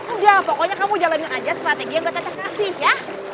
udah pokoknya kamu jalanin aja strategi yang buat cacat kasih ya